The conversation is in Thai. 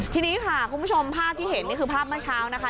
ทีนี้ค่ะคุณผู้ชมภาพที่เห็นนี่คือภาพเมื่อเช้านะคะ